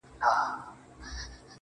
يو څه خو وايه کنه يار خبري ډيري ښې دي.